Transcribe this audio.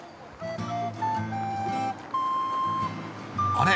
あれ？